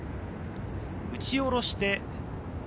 打ち下ろして。